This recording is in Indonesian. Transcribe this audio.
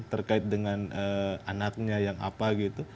terkait dengan anaknya yang apa gitu